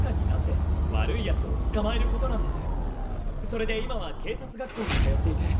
それで今は警察学校に通っていて。